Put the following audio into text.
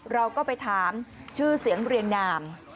เราก็ไปถามชื่อเสียงเรียงนาม